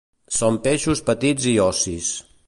Són peixos petits i ossis.